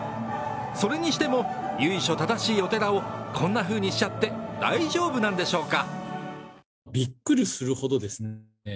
それにしても、由緒正しいお寺をこんなふうにしちゃって大丈夫なんでしょうか。